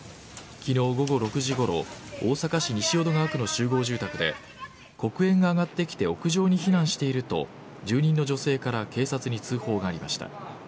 昨日、午後６時ごろ大阪市西淀川区の集合住宅で黒煙が上がってきて屋上に避難していると住人の女性から通報がありました。